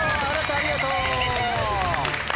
ありがとう！